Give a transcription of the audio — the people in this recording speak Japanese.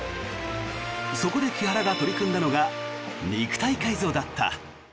そこで木原が取り組んだのが肉体改造だった。